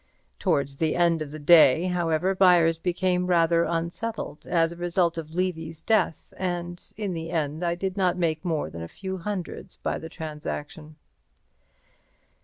Towards the end of the day, however, buyers became rather unsettled as a result of Levy's death, and in the end I did not make more than a few hundreds by the transaction.